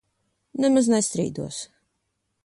Nemaz nestrīdos.